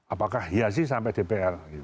apakah ya sih sampai dpr